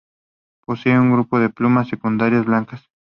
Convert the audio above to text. Posee un grupo de plumas secundarias blancas.